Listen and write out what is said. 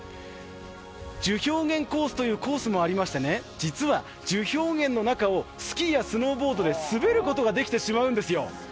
樹氷原コースというコースもありまして実は樹氷原の中をスキーやスノーボードで滑ることができてしまうんです。